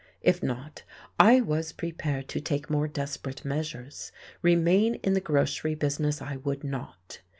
If not, I was prepared to take more desperate measures; remain in the grocery business I would not.